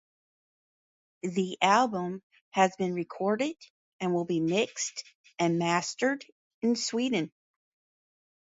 The album has been recorded and will be mixed and mastered in Sweden.